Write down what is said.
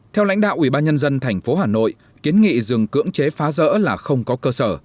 theo lãnh đạo ubnd tp hà nội kiến nghị dừng cưỡng chế phá rỡ là không có cơ sở